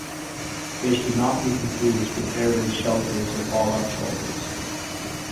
They should not be confused with air raid shelters or fallout shelters.